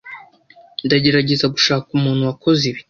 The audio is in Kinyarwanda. Ndagerageza gushaka umuntu wakoze ibi.